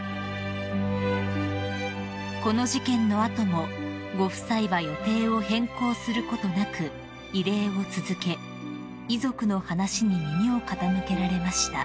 ［この事件の後もご夫妻は予定を変更することなく慰霊を続け遺族の話に耳を傾けられました］